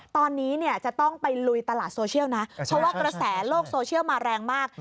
ตอนนี้เนี่ยจะต้องไปลุยตลาดโซเชียลนะเพราะว่ากระแสโลกโซเชียลมาแรงมาก